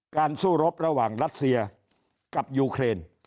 สู้รบระหว่างรัสเซียกับยูเครน